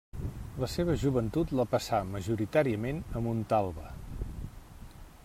La seva joventut la passà, majoritàriament, a Montalba.